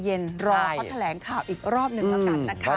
รอเขาแถลงข่าวอีกรอบหนึ่งนะครับ